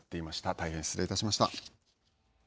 大変失礼いたしました。